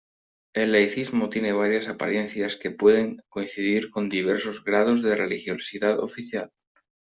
El laicismo tiene varias apariencias que pueden coincidir con diversos grados de religiosidad oficial.